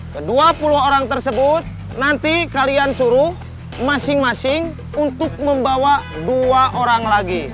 kedua puluh orang tersebut nanti kalian suruh masing masing untuk membawa dua orang lagi